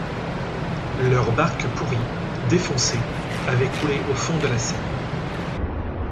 Leur barque pourrie, défoncée, avait coulé au fond de la Seine.